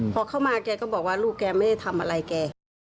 พอเข้ามาแกก็บอกว่าลูกแกไม่ได้ทำอะไรแก